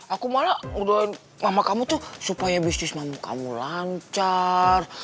aku malah ngedoain mama kamu tuh supaya bisnis nama kamu lancar